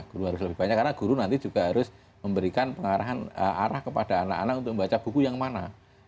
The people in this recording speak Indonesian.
guru harus lebih banyak karena guru nanti juga harus memberikan pengarahan arah kepada anak anak untuk membaca buku yang mana